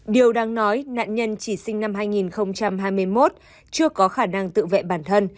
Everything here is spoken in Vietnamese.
điều đáng nói nạn nhân chỉ sinh năm hai nghìn hai mươi một chưa có khả năng tự vệ bản thân